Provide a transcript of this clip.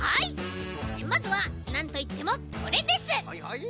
まずはなんといってもこれです！